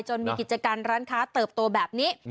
มีกิจการร้านค้าเติบโตแบบนี้